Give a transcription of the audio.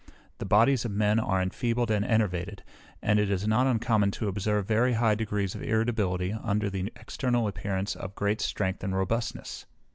The bodies of men are enfeebled and enervated; and it is not uncommon to observe very high degrees of irritability under the external appearance of great strength and robustness.